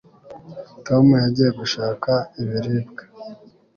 tom yagiye gushaka ibiribwa